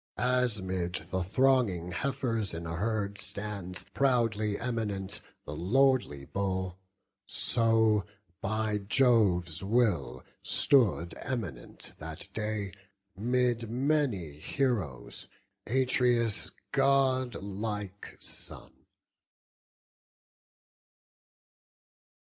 As 'mid the thronging heifers in a herd Stands, proudly eminent, the lordly bull; So, by Jove's will, stood eminent that day, 'Mid many heroes, Atreus' godlike son.